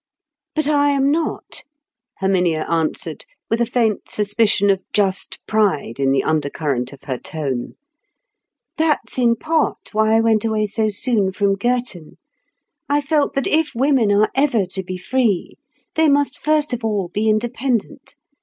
"But I am not," Herminia answered, with a faint suspicion of just pride in the undercurrent of her tone. "That's in part why I went away so soon from Girton. I felt that if women are ever to be free, they must first of all be independent.